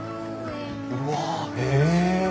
うわ！へえ！